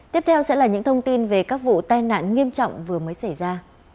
tiếp theo sẽ là những thông tin về các vụ tai nạn nghiêm trọng vừa mới xảy ra